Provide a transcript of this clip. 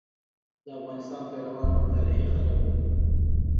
د افغانستان پيروان هم تاریخي خلک وو.